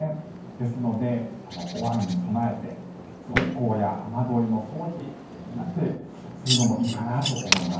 ですので、大雨に備えて側溝や雨どいの掃除なんてするのもいいかなと思います。